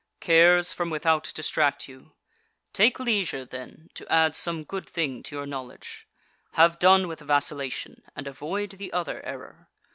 7. Cares from without distract you: take leisure, then, to add some good thing to your knowledge; have done with vacillation, and avoid the other error.